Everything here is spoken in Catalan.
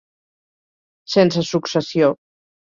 Sense successió.